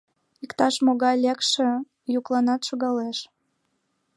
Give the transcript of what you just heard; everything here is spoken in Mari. Иктаж-могай лекше йӱкланат шогалеш.